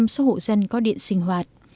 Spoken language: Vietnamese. số hộ dân có điện sinh hoạt